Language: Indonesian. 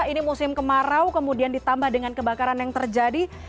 ini musim kemarau kemudian ditambah dengan kebakaran yang terjadi